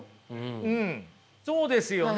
うんそうですよね。